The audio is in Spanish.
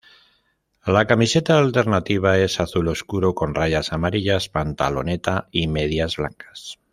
La camiseta alternativa es azul oscuro con rayas amarillas, pantaloneta y medias blancas.